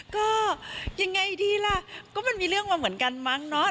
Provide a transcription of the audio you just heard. ก็ยังไงดีล่ะก็มันมีเรื่องมาเหมือนกันมั้งเนาะ